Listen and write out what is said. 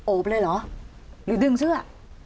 ไปเลยเหรอหรือดึงเสื้อ